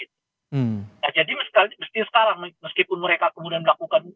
nah jadi mesti sekarang meskipun mereka kemudian melakukan